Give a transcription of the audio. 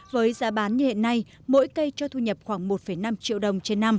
với giá bán như hiện nay mỗi cây cho thu nhập khoảng một năm triệu đồng